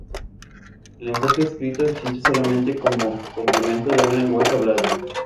El lenguaje escrito existe solamente como complemento de un lenguaje hablado.